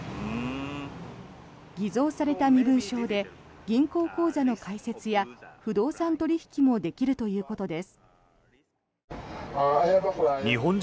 偽造された身分証で銀行口座の開設や不動産取引もできるということです。